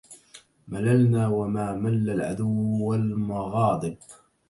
مللنا وما مل العدو المغاضب